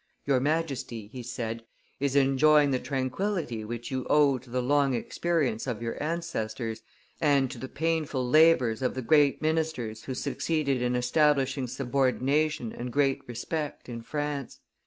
"Your Majesty," he said, "is enjoying the tranquillity which you owe to the long experience of your ancestors, and to the painful labors of the great ministers who succeeded in establishing subordination and general respect in France.